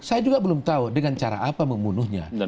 saya juga belum tahu dengan cara apa membunuhnya